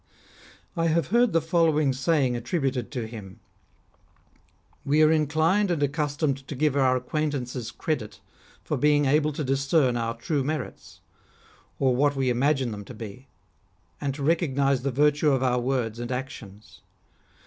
I have heard the following saying attributed to him :—" We are inclined and accustomed to give our acquaint ances credit for being able to discern our true merits, or what we imagine them to be, and to recognise the virtue of our words and actions.